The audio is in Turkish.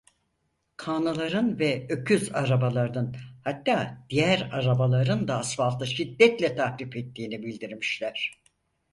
Kağnıların ve öküz arabalarının, hatta diğer arabaların da asfaltı şiddetle tahrip ettiğini bildirmişler.